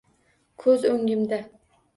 Koʻz oʻngimda